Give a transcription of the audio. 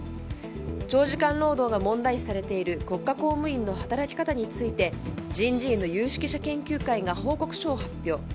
長時間労働が問題視されている国家公務員の働き方について人事院の有識者研究会が報告書を発表。